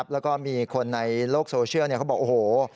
แล้วก็มีคนในโลกโซเชียลเขาบอกโอ้โห